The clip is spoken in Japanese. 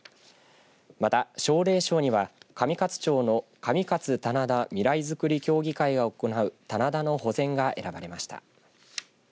また奨励賞には上勝町のかみかつ棚田未来づくり協議会が行う棚田の保全が選ばれました。